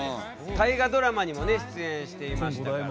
「大河ドラマ」にもね出演していましたから。